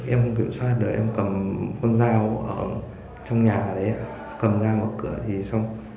em không kiểm soát được em cầm con dao ở trong nhà đấy cầm ra mở cửa thì xong